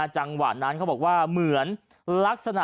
จังหวะนั้นเขาบอกว่าเหมือน